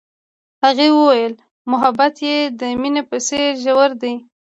هغې وویل محبت یې د مینه په څېر ژور دی.